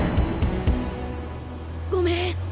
ごめん！